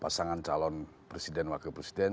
pasangan calon presiden wakil presiden